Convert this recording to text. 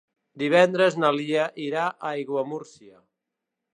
Divendres na Lia irà a Aiguamúrcia.